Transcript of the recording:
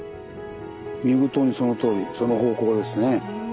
見事にそのとおりその方向ですね。